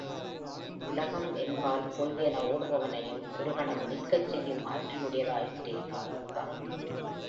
உலகம் என்பால் பொய் என ஓடுபவனைனயம் ஒரு கணம் நிற்கச் செய்யும் ஆற்றலுடையதாயிற்றே தாயுள்ளம்.